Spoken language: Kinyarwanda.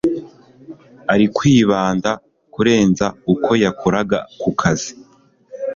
ari kwibanda kurenza uko yakoraga kukazi